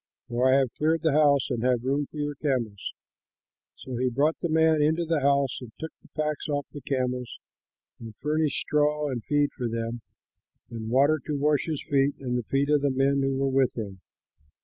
For I have cleared the house and have room for the camels." So he brought the man into the house and took the packs off the camels and furnished straw and feed for them, and water to wash his feet and the feet of the men who were with him.